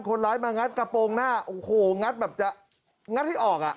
คนร้ายมางัดกระโปรงหน้าโอ้โหงัดแบบจะงัดให้ออกอ่ะ